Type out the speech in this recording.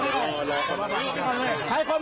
สมัยไม่เรียกหวังผม